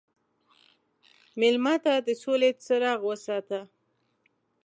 مېلمه ته د سولې څراغ وساته.